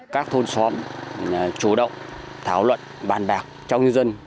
các thôn xóm chủ động thảo luận bàn bạc trong dân